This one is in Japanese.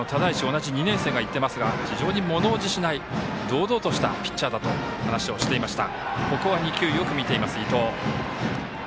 同じ２年生がいっていますが非常にものおじしない堂々としたピッチャーだと話をしていました。